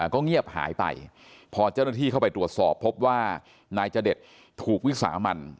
ก็เงียบหายไปพอเจ้าหน้าที่เข้าไปตรวจสอบพบว่านายจเดชถูกวิสามัน